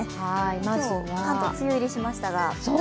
今日、関東、梅雨入りしましたが。